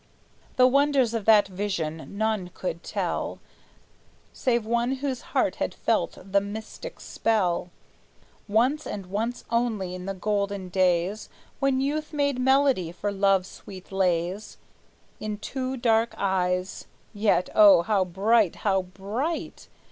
The wonders of that vision none could tell Save one whose heart had felt the mystic spell. Once and once only, in the golden days When youth made melody for love's sweet lays, In two dark eyes (yet oh, how bright, how bright!)